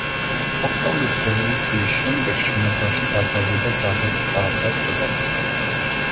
ოქტომბრის რევოლუციის შემდეგ, შენობაში გადმოვიდა გაზეთ „პრავდას“ რედაქცია.